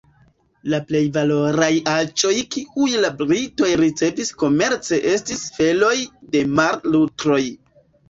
La plej valoraj aĵoj kiujn la Britoj ricevis komerce estis feloj de mar-lutroj.